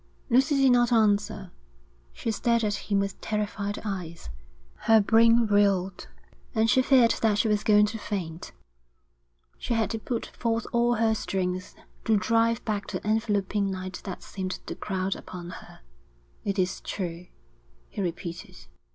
Lucy did not answer. She stared at him with terrified eyes. Her brain reeled, and she feared that she was going to faint. She had to put forth all her strength to drive back the enveloping night that seemed to crowd upon her. 'It is true,' he repeated.